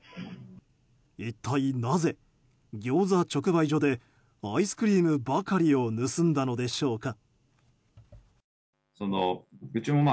一体なぜギョーザ直売所でアイスクリームばかりを盗んだのでしょうか。